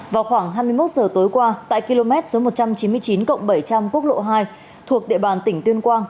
vào khoảng hai mươi một giờ tối qua tại km một trăm chín mươi chín bảy trăm linh quốc lộ hai thuộc địa bàn tỉnh tuyên quang